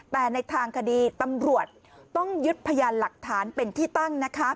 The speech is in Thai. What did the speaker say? แต่ในทางคดีตำรวจต้องยึดพยานหลักฐานเป็นที่ตั้งนะคะ